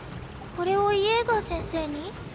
これをイェーガー先生に？